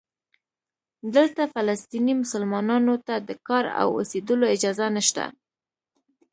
دلته فلسطینی مسلمانانو ته د کار او اوسېدلو اجازه نشته.